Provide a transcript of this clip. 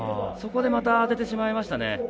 そこで、また当ててしまいました。